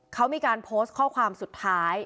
เขามีการโพสต์ข้อความสุดท้าย